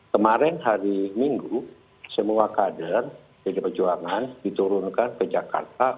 kemarin hari minggu semua kader pdi perjuangan diturunkan ke jakarta